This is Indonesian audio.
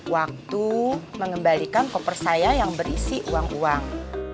waktu mengembalikan koper saya yang berisi uang uang